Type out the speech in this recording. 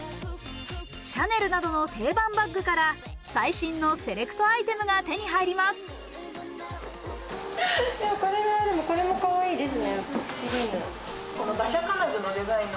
シャネルなどの定番バッグから最新のセレクトアイテムが手に入ります。